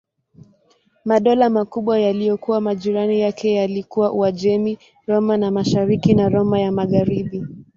Madola makubwa yaliyokuwa majirani yake yalikuwa Uajemi, Roma ya Mashariki na Roma ya Magharibi.